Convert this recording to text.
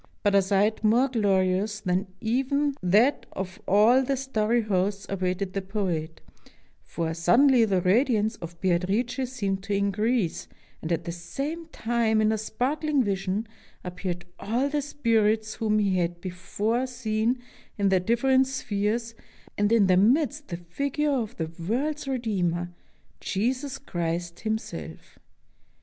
But a sight more glorious than even that of all the starry hosts awaited the poet, for sud denly the radiance of Beatrice seemed to increase, and at the same time, in a sparkling vision, appeared all the spirits whom he had before seen in their different spheres, and in their midst the figure of the world's Redeemer, Jesus Christ Himself.